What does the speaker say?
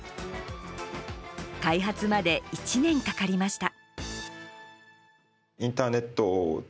開発まで１年かかりました。